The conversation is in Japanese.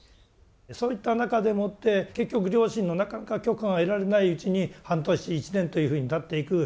そういった中でもって結局両親のなかなか許可が得られないうちに半年１年というふうにたっていく。